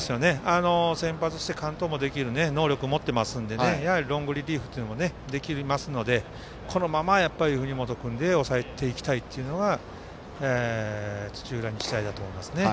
先発して完投もできる能力を持っているのでロングリリーフというのもできますので、このまま藤本君で抑えていきたいというのが土浦日大だと思いますね。